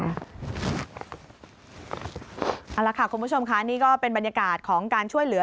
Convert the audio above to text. เอาละค่ะคุณผู้ชมค่ะนี่ก็เป็นบรรยากาศของการช่วยเหลือ